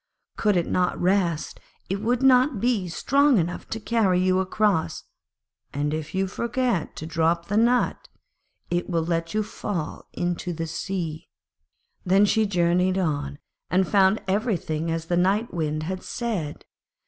Could it not rest, it would not be strong enough to carry you across, and if you forget to drop the nut, it will let you fall into the sea.' Then she journeyed on, and found everything as the Night Wind had said.